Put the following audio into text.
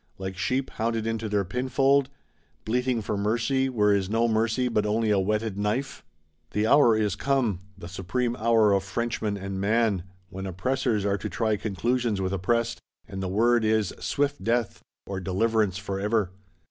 Like sheep hounded into their pinfold; bleating for mercy, where is no mercy, but only a whetted knife? The hour is come; the supreme hour of Frenchman and Man; when Oppressors are to try conclusions with Oppressed; and the word is, swift Death, or Deliverance forever.